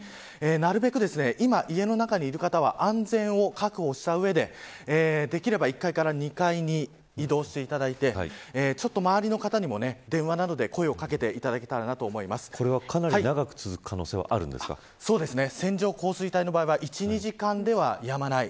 なるべく、家の中にいる方は安全を確保した上でできれば１階から２階に移動していただいて周りの方にも電話などで声を掛けていただけたらとこれはかなり長く続くそうですね、線状降水帯の場合は１、２時間ではやまない。